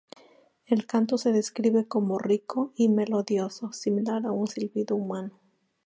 El canto se describe como "rico y melodioso", similar a un silbido humano.